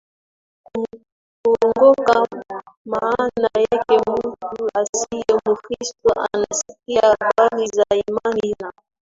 kuongoka Maana yake mtu asiye Mkristo anasikia habari za imani na